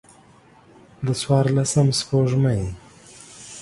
د څوارلسم سپوږمۍ